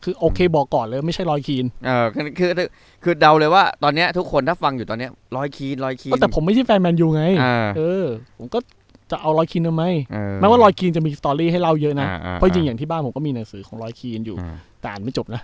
คือโอเคบอกก่อนแล้วไม่ใช่รอยครีน